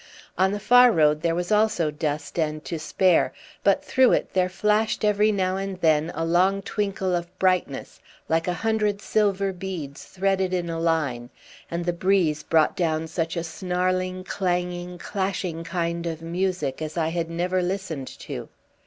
On the far road there was also dust and to spare, but through it there flashed every now and then a long twinkle of brightness, like a hundred silver beads threaded in a line; and the breeze brought down such a snarling, clanging, clashing kind of music as I had never listened to.